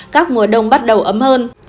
các mùa đông bắt đầu ấm hơn